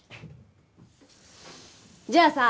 じゃあさ